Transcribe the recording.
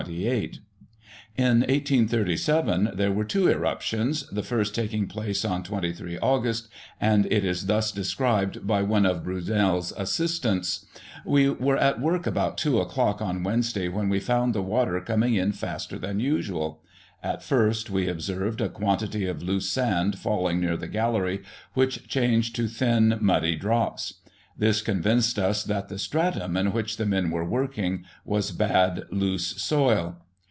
In 1837 there were two irruptions, the first taking place on 23 August, and it is thus described by one of Brunei's assistants :" We were at work about two o'clock on Wednesday, when we found the water coming in faster than usual. At first, we observed a quantity of loose sand falling near the gallery, which changed to thin, muddy drops. This convinced us that the stratum in which the men were working was bad, loose soil.